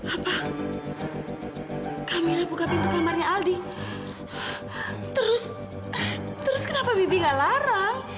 apa camilla buka pintu kamarnya aldi terus kenapa bibi nggak larang